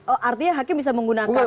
oh artinya hakim bisa menggunakan